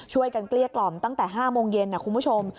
ช่วยกันเกลี้ยกล่อมตั้งแต่๕โมงเย็นคุณผู้ชม